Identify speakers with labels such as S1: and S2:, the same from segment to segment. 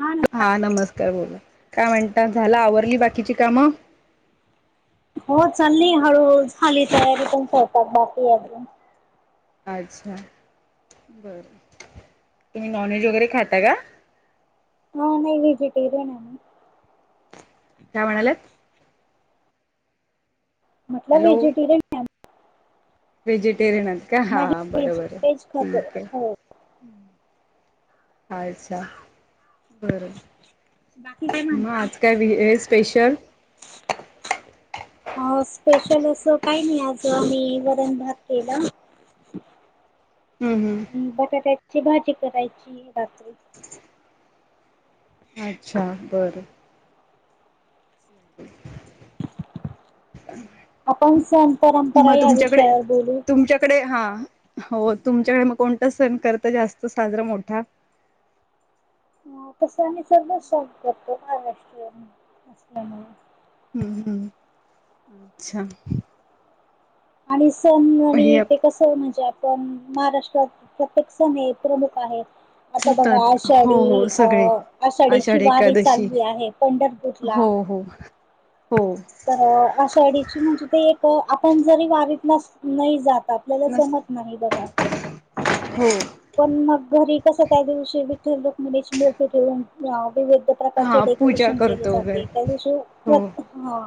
S1: हा न.
S2: हा नमस्कार बोला काय म्हणता झाला आवरली बाकीची कामं.
S1: हो चालली हळूळू झाली तयारी पण, स्वयंपाक बाकी आहे.
S2: अच्छा, बरं तुम्ही नॉन व्हेज वगैरे खाता का.
S1: हा नाही, व्हेजिटेरिंग आहे मी.
S2: काय म्हणाल्यात?
S1: म्हटलं व्हेजिटेरियन. आहे
S2: वेहेजिटेरियन आहेत का हा,
S1: नाही
S2: बर
S1: व्हेज
S2: बर
S1: व्हेज खातो
S2: ठीक आहे.
S1: हो.
S2: अच्छा बरं.
S1: बाकी काय
S2: म
S1: म्हणता?
S2: आज काय हे स्पेशल?
S1: [unintelligible] अआज स्पेशल असं काही नाही आज आम्ही वरणभात केला.
S2: हम्म हम्म
S1: आणि बटाट्याची भाजी करायची रात्री.
S2: अच्छा बरं. [inaudible]
S1: [inaudible] आपण सण परंपरा
S2: मग
S1: या
S2: तुमच्याकडे
S1: विषयावर बोलू.
S2: तुमच्याकडे हा हो तुमच्याकडे मग कोणता सण करत जास्त साजरा मोठा.
S1: तसं आम्ही सर्व सॉल करतो महाराष्ट्रीय असल्यामुळे.
S2: हम्म हम्म अच्छा.
S1: आणि सण आणि
S2: हे
S1: ते. कस म्हणजे आपण महाराष्ट्रात प्रत्येक सण हे प्रमुख आहे. आता बघा
S2: होतात हो
S1: आषाढी
S2: हो
S1: अ
S2: सगळे
S1: आषाढीची
S2: आषाढी
S1: वारी
S2: एकादशी
S1: चालली आहे पंढरपर.
S2: हो, हो, हो.
S1: तर आषाढाची म्हणजे ते एक आपण जरी वारीतला नाही जातात.
S2: [unintelligible]
S1: पण मग घरी कस त्या दिवशी विठ्ठल, रुक्मिणीचे मूर्ती ठेवून विविध प्रकारचे
S2: हा पूजा
S1: डेकोरेशन केले
S2: करतो वगैरे
S1: जाते त्या दिवशी
S2: हो
S1: हा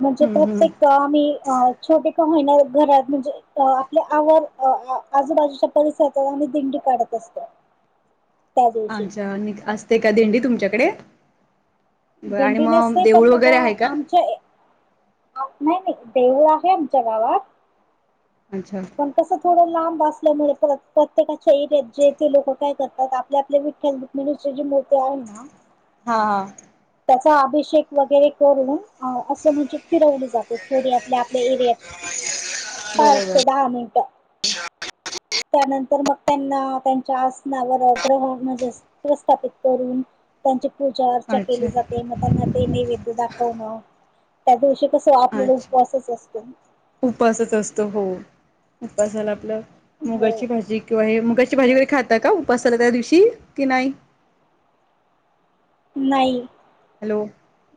S1: म्हणजे
S2: हम्म हम्म
S1: प्रत्येक आम्ही. अ छोटे का होईना घरात म्हणजे आपल्या आव आजूबाजूच्या परिसरात. व्हाी दिंडी काढत असतो. त्या दिवशी
S2: अच्छा असते का दिंडी तुमच्याकडे. बरं आणि
S1: दिंडी
S2: मग
S1: नसते पण
S2: देऊळ
S1: मग
S2: वगैरे आहे का
S1: आमच्या. नाही नाही देऊळ आहे आमच्या गावात.
S2: अच्छा.
S1: तस थोडं लांब असल्यामुळे प्रत्येकाच्या एरत जेथे लोक काय करतात आपल्या विठ्ठ मीनुस ज मळ तयार आहे ना.
S2: हा, हा.
S1: त्याचा अभिषेक वगैरे करून असं म्हणजे फिरवली जाते थोडी. आपल्या आपल्या एरियात पाच
S2: बरोबर
S1: ते दहा मिनिट. त्यानंतर मग त्यांना त्यांच्या आसनावर ग्रह म्हणजे अस. प्रस्थापित करून त्यांची पूजा अर्.
S2: अच्छा
S1: मग त्यांना ते नैवेद दाखवणं त्या दिवशी कसं आपल्याला
S2: अच्छा
S1: उपवासच असतो.
S2: उपासच असतो हो उपसाला आपलं
S1: हो
S2: मुगाची भाजी. किंवा हे मुगाची भाजी वगैरे खातात का उपासला त्या दिवशी, की नाही.
S1: नाही.
S2: हॅलो,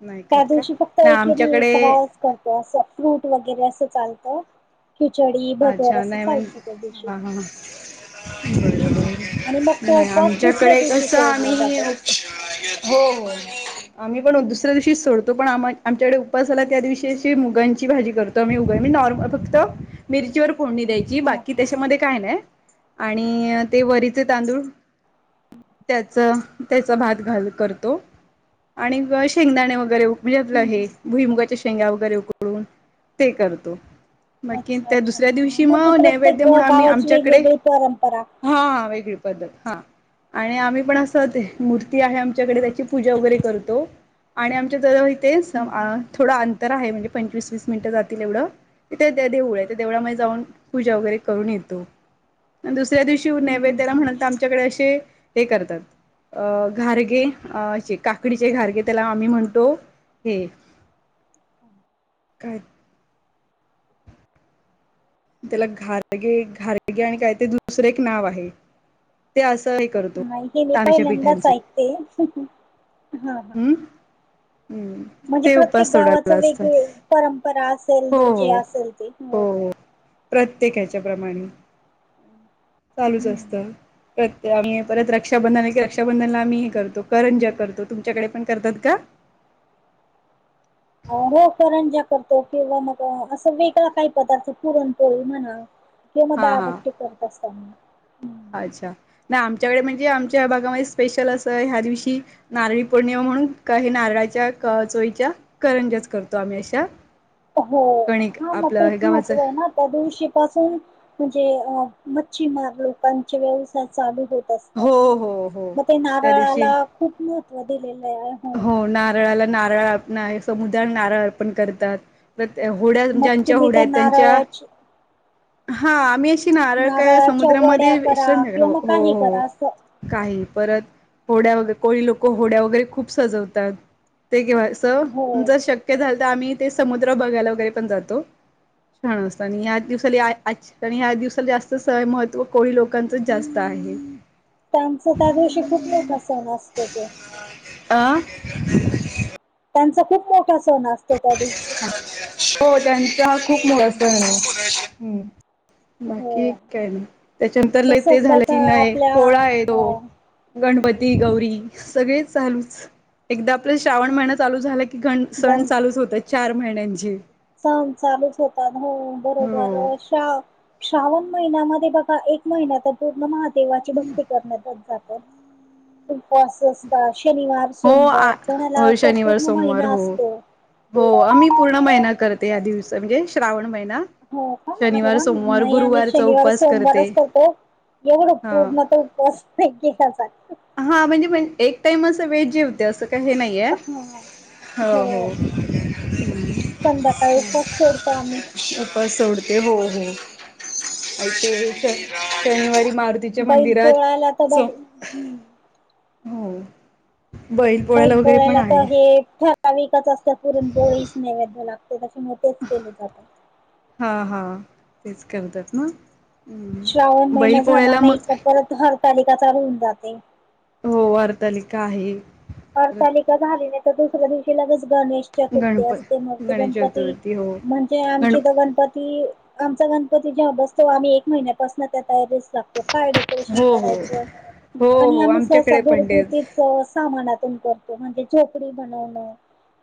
S2: नाही
S1: त्या
S2: खात का
S1: दिवशी फक्त
S2: नाही
S1: एकेरी
S2: आमच्याकडे
S1: फरावच करतो अस, फ्रूट वगैरे असं चालत. खिचडी भगर असं चालतं त्या दिवशी...
S2: हां
S1: आणि मग
S2: बरोर
S1: तो
S2: नाही
S1: उपवास दुसऱ्या
S2: आमच्याकडे
S1: दिवशी
S2: कसं
S1: सोडला
S2: आम्ही
S1: जातो
S2: हो. आम्ही पण दुसऱ्या दिवशी सोडतो पण, आम आमच्याकडे उपसा झाला त्या दिवशी अशी मुगांची भाजी करतो. मी उभ म नॉर्म फक्त मिरची व फडणी द्यायची
S1: हा हा
S2: बाकी
S1: हम्म
S2: त्याच्यामध्ये काय नाही.. आणि ते वरीचे तांदूळ. त्याच त्याचा भात घाल करतो. आणि शेंगदाणे वगैरे म्हणजतलं हे
S1: हम्म
S2: भुईमुगाच्या शेंग्या वगैरे उकडून. ते करतो. कि
S1: अच्छा
S2: त्या
S1: अच्छा
S2: दुसऱ्या
S1: हा हा.
S2: दिवशी
S1: म्हणजे
S2: मग
S1: प्रत्येक
S2: नैवेद्य
S1: ग-
S2: म्हणून आम्ही
S1: गावाची
S2: आमच्याकडे.
S1: वेगवेगळी परंपरा
S2: हा वेगळी पद्धत हा. आणि आम्ही पण असं मूर्ती आहे आमच्याकडे त्याची पूजा वगैरे करतो. आणि आमच्या जर इथे स
S1: हम्म हम्म
S2: थोडं अंतर आहे म्हणजे पंचवीस वीस मिनिटं जातील एवढं. तिथे त्या देऊळ आहे त्या देवळामध्ये जाऊन पूजा वगैरे करून येतो. दुसऱ्या दिवशी
S1: हम्म हम्म
S2: नैवेद्याला
S1: हम्म
S2: म्हणत तर, आमच्याकडे असे हे करतात. अ घारगे अे काकडीचे घारगे त्याला आम्ही म्हणतो.. हे काय. त्याला घारगे घारगे आणि काय ते दुसरे एक नाव आहे. ते असंही करतो तहाच्या पिठांचे.
S1: ते हा हा.
S2: हम्म हम्म!
S1: म्हणजे
S2: ते
S1: प्रत्येक
S2: उपास
S1: गावाचा
S2: सोडायला असतात.
S1: वेगवेगळा परंपरा असेल
S2: हो
S1: जे असेल ते.
S2: प्रत्येका हेच्या प्रमाणे चालूच
S1: हम्म
S2: असत. कर आम्ही परत रक्षाबंधन आहे की रक्षाबंधनला आम्ही हे करतो करंज्या करतो. तुमच्याकडे पण करतात का?
S1: हो करंज्या करतो किंवा मग असं वेगळा काही पदार्थ पुरणपोळी म्हणा. ते मध्ये
S2: हा हा
S1: आगटते करत असताना.
S2: अच्छा! नाही आमच्याकडे म्हणजे आमच्या भागामध्ये स्पेशल असं ह्या दिवशी नारळी पौर्णिमा म्हणून हे नारळाच्या चोईच्या करंजाच करतो आम्ही अशा.
S1: हो,
S2: कणिक
S1: हा मग
S2: आपलं हे
S1: तेच
S2: गव्हाचं
S1: महत्व आहे ना. त्या दिवशी पाासून म्हणजे अ मच्छीमार लोकांचे व्यवसाय चालू हो
S2: हो हो
S1: मग ते
S2: त्या दिवशी
S1: नारळाला खूप महत्व दिलेलं आहे.
S2: हो नारळाला नारळ अण समुद्रला नारळ अर्पण करतात. होड्या
S1: मग
S2: ज्यांच्या
S1: तुम्ही
S2: होड्या
S1: त्या
S2: आहेत. त्यांच्या
S1: नारळाची
S2: हा आम्ही कि नारळ काय
S1: नारळाच्या वड्या
S2: समुद्रामध्ये
S1: करा
S2: विश्र
S1: किंवा
S2: हो
S1: मग काही
S2: हो.
S1: करा असं
S2: काही परत होड्या वगैरे कोळी लोक होड्या वगैरे खूप सजवतात. ते
S1: हो
S2: जर शक्य झालं तर आम्ही ते समुद्र बघायला वगैरे पण जातो. छान असतं. [inaudible] आणि ह्या दिवसाला जास्त सवय महत्त्व कोणी लोकांचच जास्त आहे.
S1: त्यांचा त्या दिवशी खूप मोठा सण असतो तो.
S2: आं.
S1: त्यांचा खूप मोठा सोण अस
S2: हो त्यांचा खूप मोठा सण आहे्. बाकी
S1: हो
S2: काय नाय त्याच्यानंतर लय ते
S1: तसच
S2: झालं
S1: बघा
S2: की नाही
S1: आपल्या
S2: पोळा आहे तो.
S1: अ
S2: गणपती गौरी सगळेच चालूच एकदा आपलं श्रावण महिना चालू झाला की गण सण चालूच होत चार महिन्यांची.
S1: सन चालूच होतात हो बरोबर
S2: हो
S1: शा श्रावण महिन्यामध्ये बघा एक महिन्या तर पूर्ण मह देवाची भक्ती करण्यात जातो. उपवास असतात. शनिवार,
S2: हो
S1: सोमवार
S2: आ
S1: कोणाला
S2: हो
S1: तर
S2: शनिवार
S1: पूर्ण
S2: सोमवार
S1: महिना
S2: हो
S1: असतो.
S2: हो मी पूर्ण महिना करते या दिवस म्हणजे श्रावण महिना.
S1: हो का? अरे
S2: शनिवार
S1: वा!
S2: सोमवार
S1: नाही आम्ही
S2: गुरुवारचा
S1: शनिवार,
S2: उपास करते
S1: सोमवारच करतो. एवढं
S2: ह
S1: पूर्ण तरं उपवास
S2: हा म्हणजेण एक टाइम असं वेळ जेवते असं काही हे नाही.
S1: हम्!
S2: हो हो हो.
S1: संध्याकाळी उपवास सोडतो आम्ही
S2: उपवास सोडते हो हो. ते शनिवारी मारू तिच्या
S1: बैल
S2: मंदिरात
S1: पोळायला तर बघ
S2: स
S1: हम्म
S2: हो.
S1: बैल
S2: वगैरे पण
S1: पोळ्याला
S2: आहे
S1: तर हे ठ विकच असत्या पुरून पोळीच नैवेद्य लागते तसे मोठेच केले जातात.
S2: हा हा तेच करतात ना.
S1: श्रावण
S2: बैल
S1: महिन झाला
S2: पोळ्याला मग
S1: नाही का परत हरतालिका चालू होऊन जाते.
S2: हो हरतालिका आहे. परत
S1: हरतालिका झाली नाही तर दुसऱ्या दिवशी लगेच गणेश चथुर्थी
S2: गणप
S1: असते मग ते
S2: गणेश
S1: गणपती
S2: चतुर्थी हो
S1: म्हणजे
S2: गण
S1: आमची तर गणपती आमचा गणपती जेव्हा बसतो आम्ही एक महिन्यापासून त्या तयारीस लागतो. त काय डेकोरेशन
S2: हो हो
S1: करायच
S2: हो
S1: आणि
S2: हो
S1: आम्ही सहसा
S2: आमच्याकडे पण तेच
S1: घरगुती सामानातून करतो म्हणजे झोपडी बनवणं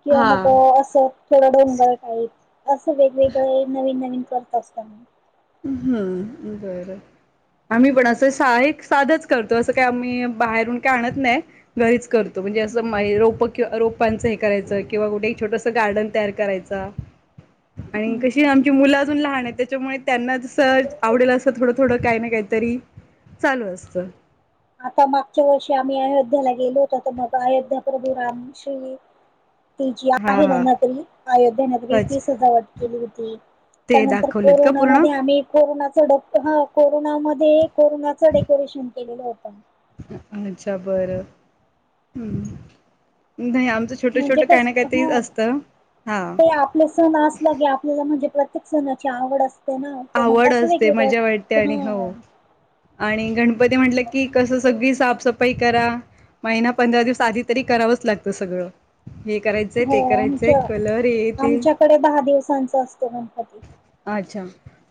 S1: किंवा
S2: हा
S1: मग असं. थोडं डोंगर टाईप असं वेगवेगळे नवीन नवीन करत असतना.
S2: हम् बरं. आम्ही पण असं सहायिक साधच करतो असं काही आम्ही बाहेरून काय आणत नाही. घरीच करतो म्हणजे असं मा रोपक किंवा रोपांचं हे करायचं किंवा कुठे एक छोटस गार्डन तयार करायच. आणि कशी आमची मुलं अजून लहान आहेत त्याच्यामुळे त्यांना तसं आवडेल असं थोडं थोडं काही ना काहीतरी चालू असतं.
S1: आता मागच्या वर्षी आम्ही अयोध्याला गेलो होत तर मग अयोध्या प्रभू राम श्री तिची
S2: हा
S1: आहे
S2: हा
S1: न तरी अयोध्या न तरी
S2: वाच
S1: ती सजावट केली होती.
S2: ते
S1: पण नंतर
S2: दाखवलेत का पूर्ण
S1: कोरोनामध्ये आम्ही कोरोनाचा ड हा कोरोनामध्ये कोरोनाचा डेकोरेशन केलेलं होत.
S2: अच्छा बर हम् नाही आमच छोट
S1: म्हणजे
S2: छोट काही
S1: कस
S2: ना काही ते असत हा.
S1: आप सण असला की आपल्याला म्हणजे प्रत्येक सणाची आवड अस ते ना तर मग
S2: आवड
S1: असं
S2: असते
S1: वेगळ
S2: मजा वाटते आणि
S1: ह
S2: हो आणि गणपती म्हटलं की कसं सगळी साफसफाई करा. महिना पंधरा दिवस आधी तरी करावंच लागतं सगळं. हे करायचंय ते
S1: हो
S2: करायचंय
S1: आमच्या
S2: कलर ये तेे
S1: आमच्याकडे दहा दिवसांचा असतो गणपती
S2: अच्छा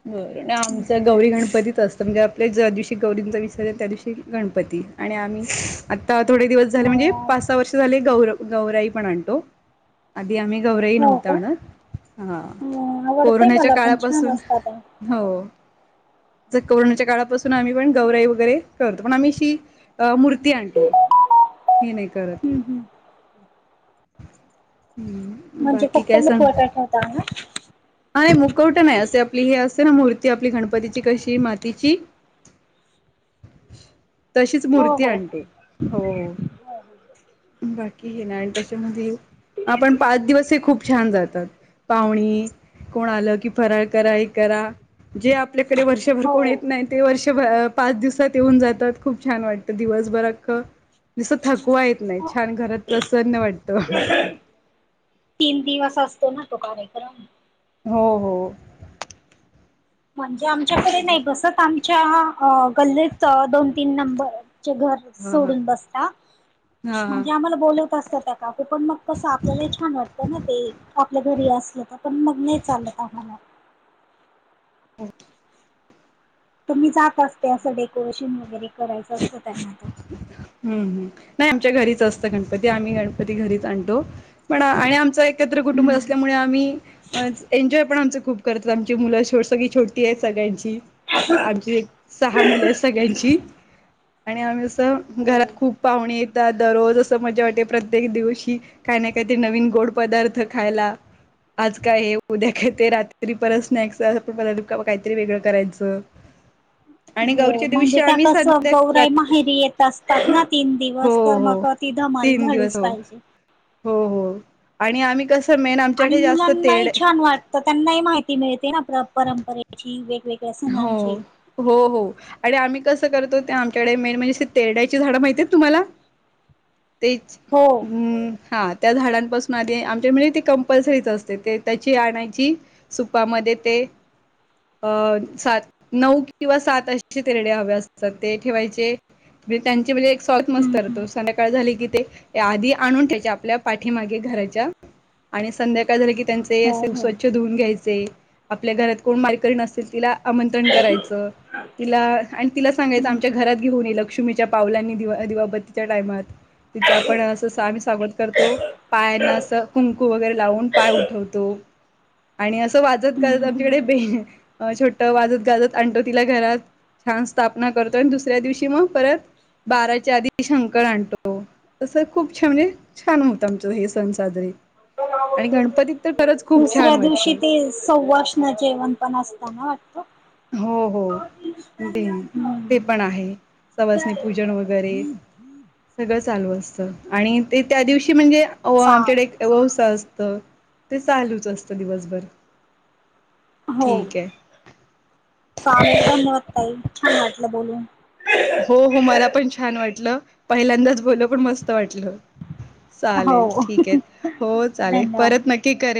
S2: बर आमचं गौरी गणपतीच असतं म्हणजे, आप ज्या दिवशी गौरींचा विसार आहे त्या दिवशी गणपती आणि आम्ही आता थोडे दिवस झाले म्हणजे
S1: हा
S2: पाच सहा वर्ष झाले गौ गौराई पण आणतो. आधी आम्ही गौरही
S1: हो
S2: नव्हत
S1: का
S2: आणत हा
S1: आवडतय
S2: कोरोनाच्या
S1: मला पण छान
S2: काळापासून
S1: असतात.
S2: हो जर कोरोनाच्या काळात ून आम्ही पण गौराई वगैरे करतो पण आम्ही श अ मूर्ती आणतो. ये नाही करत.
S1: हम्म हम्म
S2: हम्म
S1: म्हणजे खूप त मु खोटा ठेवता ना.
S2: हाय मुकवट नाही असे आपली हे असते ना मूर्ती आपली गणपतीची कशी मातीची,
S1: [inaudible]
S2: तशीच
S1: हो
S2: मूर्ती
S1: हो
S2: आणतो. हो हो बाकी हे ना आणि त्याच्यामध्ये आपण पाच दिवस हे खूप छान जातात, पाहुणी कोण आलं की फराळ करा हे करा जे आपल्याकडे वर्षभर कोण
S1: हो
S2: येत नाही, ते वर्ष पाच दिवसात येऊन जातात खूप छान वाटतं दिवसभर अ दिसतं थकवा येत नाही छान घरात प्रसन्न वाटतं
S1: तीन दिवस असतो ना तो कार्यक्रम
S2: हो हो
S1: म्हणजे
S2: हा
S1: आमच्याकडे नाही बसत आमच्या गल्लीत दोन तीन नंबरचे घर
S2: हा
S1: सोडून बसता
S2: हा हा
S1: म्हणजे आम्हाला बोलत असतात त्या का पण मग कसं आपल्याला छान वाटतं ना ते आपल्या घरी असल तर पण मग नाही चालत आम्हाला
S2: हो
S1: तुम्ही जाक असते असं डेकोरेशन वगैरे करायचं असतं त्यांना तर
S2: हम्म हम् नाही आमच्या घरीच असतं गणपती आम्ही गणपती घरीच आणतो. पण आणि आमच एकत्र कुटुंब
S1: हम्म.
S2: असल्यामुळे आम्ही एन्जॉय पण आमचं खूप करत आमची मुलं ोट सगळी छोटी आहेत सगळ्यांची आमची एक सहा मुलं आहेत सगळ्यांची, आणि आम्ही असं
S1: हो.
S2: घरात खूप पाहुणे येतात दररोज असं मजा वाटते प्रत्येक दिवशी, काही ना काही तेरी नवीन गोड पदार्थ खायला, आज काय उद्या काय ते रात्री परत स्नॅक्स पण ब काहीतरी वेगळं करायचं, आणि
S1: हो
S2: गौरीच्या
S1: म्हणजे
S2: दिवशी
S1: त्या
S2: आम्ही
S1: कस
S2: संध्या
S1: गौराई माहेरी येत असतात ना तीन
S2: हो
S1: दिवस तर
S2: हो
S1: मग ती धमाल
S2: तीन दिवस
S1: झालीच
S2: हो
S1: पाहिजे.
S2: हो हो आणि आम्ही कसं मेन आमच्याकडे जास्त तेड
S1: तर त्यांना ह माहिती मिळते ना परंपरेची, वेगवेगळी
S2: हो हो हो आणि आम्ही कसं करतो ते आमच्याकडे मेन म्हणजे तेरड्याची झाडं माहिती आहेत तुम्हाला? तेच.
S1: हो.
S2: हम् हा त्या झाडांपासून आधी आमच्या म्हणजे ती कंपल्सरीच असते ते त्याची आणायची सुपामध्ये ते अं सात नऊ किंवा सात अे तेरडे हवे असतात ते ठेवायचे म्हे त्यांचे म्हणजे सॉलत
S1: हम्म हम्म
S2: मस्तरतो संध्याकाळ झाली की ते आधी आणून त्या्यायच्या आपल्या पाठीमागे घराच्या आणि संध्याकाळ झाली की त्यांचा. ते
S1: हो
S2: असे
S1: हो
S2: स्वच्छ धुऊून घ्यायचे आपल्या घरात कोण मारीकरी न असेल तिला आमंत्रण करायचं. तिला आणि तिला सांगायचं
S1: हम्म
S2: आमच्या
S1: हम्म
S2: घरात घेऊन ये लक्ष्मीच्या पावलांनी दिवा दिवाबती. टाईमात तिचा पण असं स्वामी समर्थ करतो पायांना असं कुंकु क वगैरे लावून पाय उठवतो. आणि असं वाजत गजत
S1: हम्म
S2: आमच्याकडे
S1: हम्म
S2: बे छोट वाजत गाजत आणतो तिला घरात छान स्थापना करतो आणि दुसऱ्या दिवशी मग परत बाराच्या आधी शंकर आणतो. तसं खूप छान म्हणजे छान होतं आमचं हे सण साजरे. आणि गणपतीत तर खरंच खूप छान
S1: दुसऱ्या दिवशी
S2: वाटतं.
S1: ते सव्वा जेवण पण असताना वाटत?
S2: हो हो ते ते
S1: हम्म
S2: पण आहे सवसनी पूजन वगैर. सगळं चालू असत आणि ते त्या दिवशी म्हणजे
S1: चाल
S2: आमच्याकडे वहसा असत ते चालूच असतं दिवसभर.
S1: हो
S2: ठीक आहे.
S1: चांगलं ताई छान वाटलं बोलून.
S2: हो हो मला पण छान वाटलं पहिल्यांदाच बोल पण मस्त वाटलं. चालेल
S1: हो
S2: ठीक आहे हो चालेल
S1: धन्यवाद
S2: परत नक्की करेल.